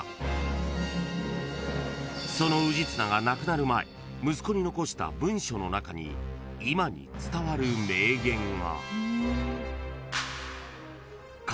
［その氏綱が亡くなる前息子に残した文書の中に今に伝わる名言が］